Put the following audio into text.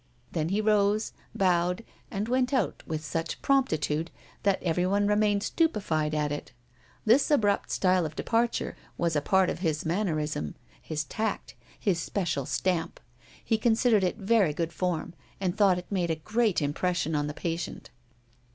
Then he rose, bowed, and went out with such promptitude that everyone remained stupefied at it. This abrupt style of departure was a part of his mannerism, his tact, his special stamp. He considered it very good form, and thought it made a great impression on the patient.